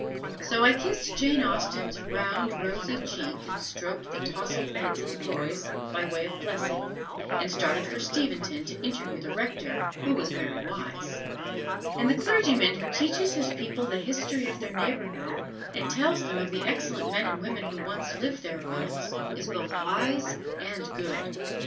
So I kissed Jane Austen's round, rosy cheek and stroked the tousled heads of the boys by way of blessing, and started for Steventon to interview the Rector who was very wise. And the clergyman who teaches his people the history of their neighborhood, and tells them of the excellent men and women who once lived thereabouts, is both wise and good.